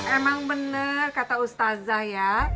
emang bener kata ustazah ya